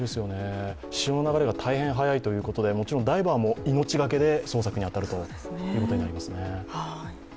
潮の流れが大変速いということでもちろんダイバーも命がけで捜索に当たるということになりますね。